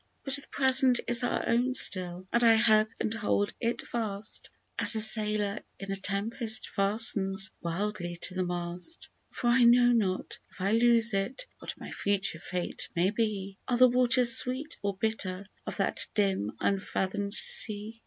But the Present is our own still, and I hug and hold it fast, As the sailor in a tempest fastens wildly to the mast ; For I know not, if I loose it, what my future fate may be ; Are the waters sweet or bitter of that dim unfathom'd sea?